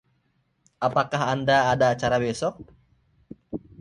Apakah Anda ada acara besok?